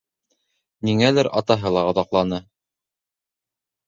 Ниңәлер атаһы ла оҙаҡланы.